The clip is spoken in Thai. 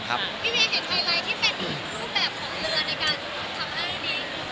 ทุกแบบของเวลาในการทำงานนี้